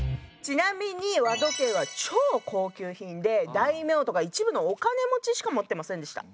ちなみに和時計は超高級品で大名とか一部のお金持ちしか持ってませんでした。